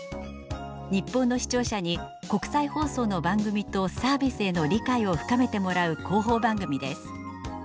日本の視聴者に国際放送の番組とサービスへの理解を深めてもらう広報番組です。